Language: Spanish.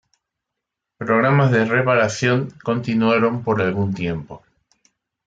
Programas de reparación continuaron por algún tiempo.